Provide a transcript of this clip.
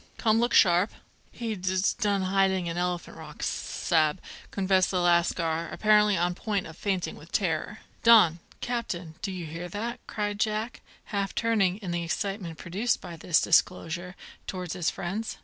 Come, look sharp!" "He d d done hiding in Elephant Rock, s s sa'b," confessed the lascar, apparently on the point of fainting with terror. "Don! Captain! Do you hear that?" cried Jack, half turning, in the excitement produced by this disclosure, towards his friends.